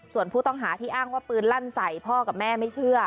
ส่วนผู้ต้องหาที่อ้างว่าปืนลั่นใส่พ่อกับแม่ไม่เชื่อ